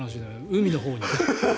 海のほうに。